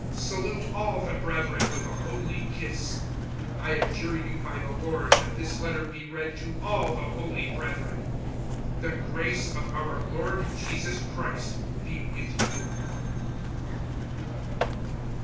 (26)Salute all the brethren with a holy kiss. (27)I adjure you by the Lord, that this letter be read to all the holy brethren. (28)The grace of our Lord Jesus Christ be with you.